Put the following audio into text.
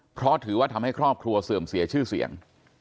เพราะถือว่าทำให้ครอบครัวเสื่อมเสียชื่อเสียง